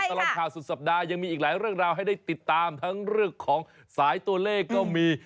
ตลอดข่าวสุดสัปดาห์ยังมีอีกหลายเรื่องราวให้ได้ติดตามทั้งเรื่องของสายตัวเลขก็มี